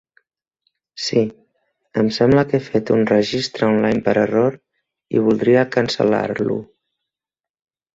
Sí, em sembla que he fet un registre online per error i voldria cancel·lar-lo.